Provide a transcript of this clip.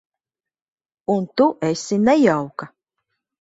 Un tu esi nejauka.